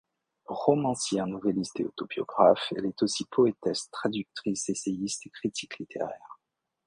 Romancière, nouvelliste et autobiographe, elle est aussi poétesse, traductrice, essayiste et critique littéraire.